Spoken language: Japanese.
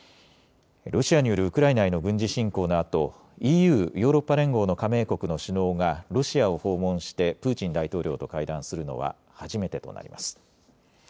ロシアによるウクライナへの軍事侵攻のあとＥＵ・ヨーロッパ連合の加盟国の首脳がロシアを訪問してプーチン大統領と会談するのは初めてとなります。